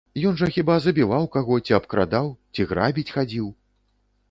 Ён жа хіба забіваў каго, ці абкрадаў, ці грабіць хадзіў?